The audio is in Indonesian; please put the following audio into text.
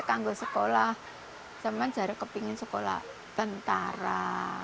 karena di sekolah tapi tidak ada duit untuk sekolah tentara